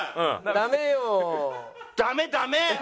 ダメダメ！